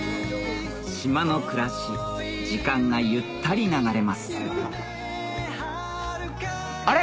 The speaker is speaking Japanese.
島の暮らし時間がゆったり流れますあれ？